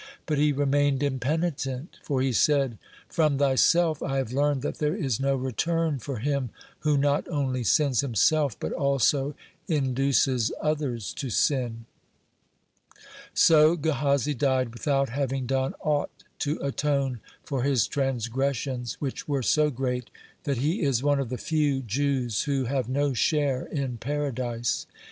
But he remained impenitent, for he said: "From thyself I have learned that there is no return for him who not only sins himself, but also induces others to sin." (17) So Gehazi died without having done aught to atone for his transgressions, which were so great that he is one of the few Jews who have no share in Paradise.